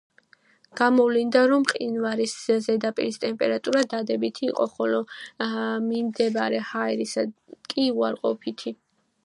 გამოვლინდა, რომ მყინვარის ზედაპირის ტემპერატურა დადებითი იყო, ხოლო მიმდებარე ჰაერისა კი უარყოფითი.